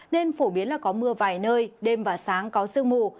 nên phổ biến là có mưa vài nơi đêm và sáng có sương mù